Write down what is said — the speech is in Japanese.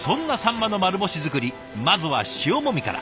まずは塩もみから。